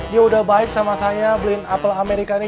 dia udah baik sama saya beliin apel amerikanya